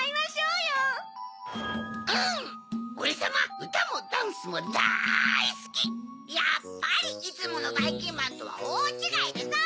やっぱりいつものばいきんまんとはおおちがいだゾウ。